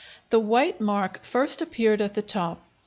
The white mark first appeared at the top.